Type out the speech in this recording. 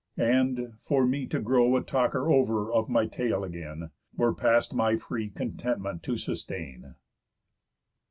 And, for me to grow A talker over of my tale again, Were past my free contentment to sustain."